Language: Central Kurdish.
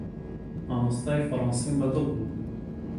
مامۆستای فەڕەنسیم بەدڵ بوو.